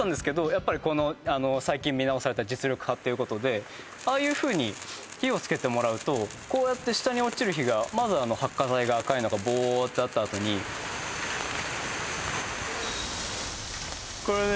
やっぱりこのあの最近見直された実力派っていうことでああいうふうに火をつけてもらうとこうやって下に落ちる火がまずは発火材が赤いのがボーッてあったあとにこれね